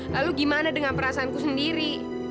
lalu gimana dengan perasaanku sendiri